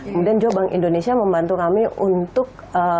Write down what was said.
kemudian juga bank indonesia membantu kami untuk